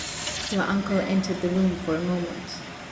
Your uncle entered the room for a moment.